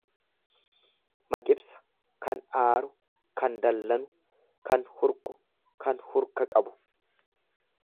Maqibsa kan aaru, kan dallanu. kan hurku, kan hurka qabu.